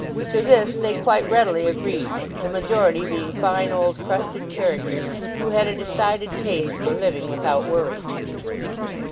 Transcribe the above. To this they quite readily agreed, the majority being fine old crusted characters who had a decided taste for living without worry.